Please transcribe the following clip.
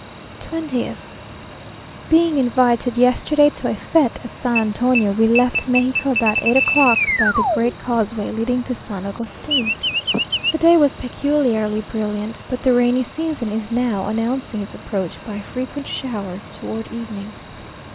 20th. Being invited yesterday to a fête at San Antonio, we left Mexico about eight o'clock, by the great causeway leading to San Agustin. The day was peculiarly brilliant, but the rainy season is now announcing its approach by frequent showers towards evening.